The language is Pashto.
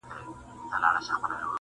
که له مرګه ځان ژغورې کوهي ته راسه -